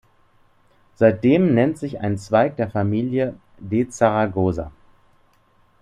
Seitdem nennt sich ein Zweig der Familie "de Zaragoza".